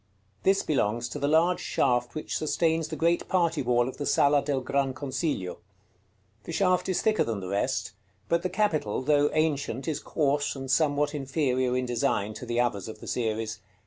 This belongs to the large shaft which sustains the great party wall of the Sala del Gran Consiglio. The shaft is thicker than the rest; but the capital, though ancient, is coarse and somewhat inferior in design to the others of the series.